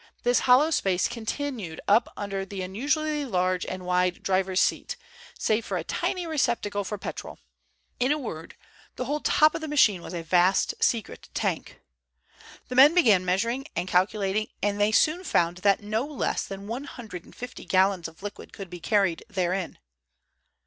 This hollow space was continued up under the unusually large and wide driver's seat, save for a tiny receptacle for petrol. In a word the whole top of the machine was a vast secret tank. The men began measuring and calculating, and they soon found that no less than one hundred and fifty gallons of liquid could be carried therein.